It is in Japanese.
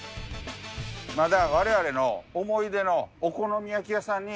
まだ我々の思い出のお好み焼き屋さんに。